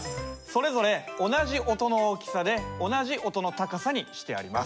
それぞれ同じ音の大きさで同じ音の高さにしてあります。